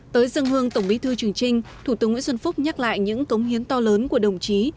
tới dân hương tổng bí thư trường trinh thủ tướng nguyễn xuân phúc nhắc lại những cống hiến to lớn của đồng chí